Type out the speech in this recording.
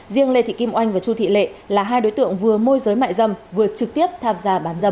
riêng lê thị kim oanh và chu thị lệ là hai đối tượng vừa môi giới mại dâm vừa trực tiếp tham gia bán dâm